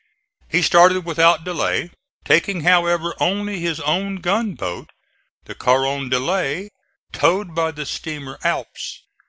He started without delay, taking, however, only his own gunboat, the Carondelet, towed by the steamer Alps.